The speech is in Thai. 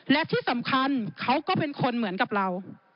และที่สำคัญเขาก็เป็นคนเหมือนกับเรา